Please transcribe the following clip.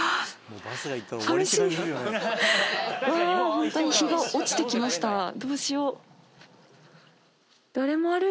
本当に日が落ちてきましたどうしよう！